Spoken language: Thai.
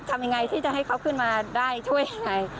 ทำยังไงที่จะให้เขาขึ้นมาได้ช่วยยังไง